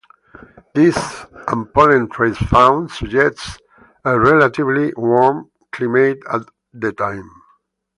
This, and pollen traces found, suggests a relatively warm climate at the time.